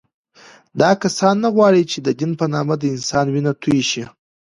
دا کسان نه غواړي چې د دین په نامه د انسان وینه تویه شي